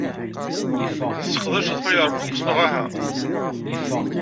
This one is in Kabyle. Tesseqdaceḍ Firefox neɣ ahaa?